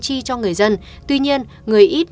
chi cho người dân tuy nhiên người ít